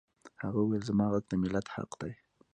هغه وویل زما غږ د ملت حق دی